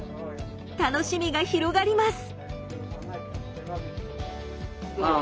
楽しみが広がります。